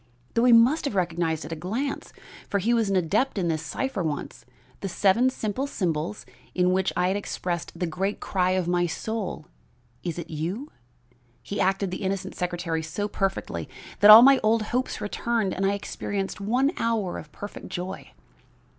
Though he must have recognized at a glance for he was an adept in this cipher once the seven simple symbols in which I had expressed the great cry of my soul 'Is it you?' he acted the innocent secretary so perfectly that all my old hopes returned and I experienced one hour of perfect joy.